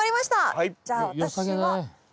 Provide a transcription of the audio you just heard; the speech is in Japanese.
はい。